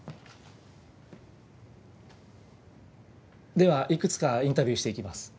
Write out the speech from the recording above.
・ではいくつかインタビューしていきます。